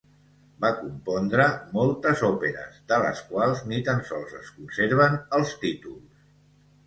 Va compondre moltes òperes, de les quals ni tan sols es conserven els títols.